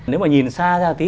nếu mà nhìn xa ra tí